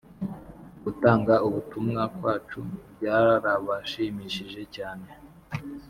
gutanga ubutumwa kwacu byarabashimishije cyane